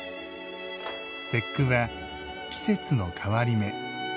節句は季節の変わり目。